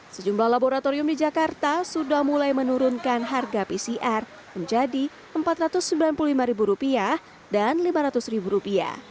sejumlah laboratorium di jakarta sudah mulai menurunkan harga pcr menjadi rp empat ratus sembilan puluh lima dan rp lima ratus